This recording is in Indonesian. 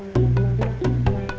suara apa ya